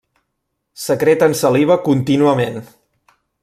Secreten saliva contínuament.